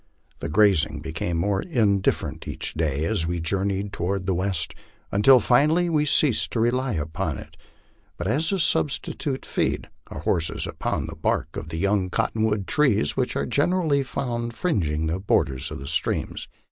The grazing became more indifferent each day as we journe3 r ed toward the west, until finally we ceased to rely upon it, but as a substitute fed our horses upon the bark of the young cotton wood trees which are generally found fringing the borders of the streams.